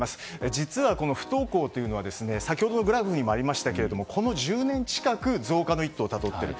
実は、不登校というのは先ほどのグラフにもありましたがこの１０年近く増加の一途をたどっている。